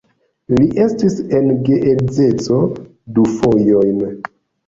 Li estis en geedzeco du fojojn.